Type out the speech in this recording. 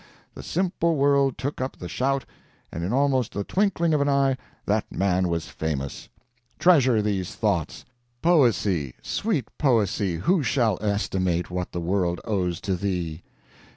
the simple world took up the shout and, in almost the twinkling of an eye, that man was famous. Treasure these thoughts. 'Poesy, sweet poesy, who shall estimate what the world owes to thee!